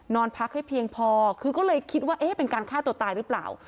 นอนพักให้เพียงพอคือก็เลยคิดว่าเอ๊ะเป็นการฆ่าตัวตายหรือเปล่า